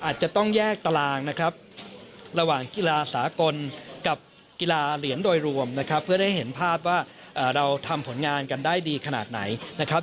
จะได้เห็นภาพว่าเราทำผลงานกันได้ดีขนาดไหนนะครับ